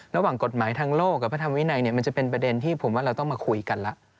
ระหว่างกฎหมายทางโลกกับพระธรรมวินัยมันจะเป็นประเด็นที่ผมว่าเราต้องมาคุยกันแล้ว